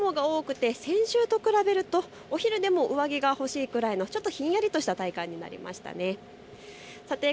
日中も雲が多くて先週と比べるとお昼でも上着が欲しいくらいのちょっとひんやりとした体感になりました。